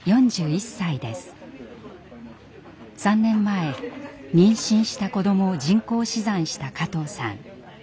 ３年前妊娠した子どもを人工死産した加藤さん。